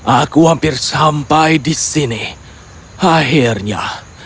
aku hampir sampai di sini akhirnya